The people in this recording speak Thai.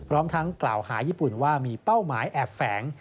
พร้อมทั้งกล่าวหาญี่ปุ่นว่ามีเป้าหมายแอบแฝง